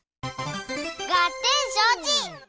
がってんしょうち！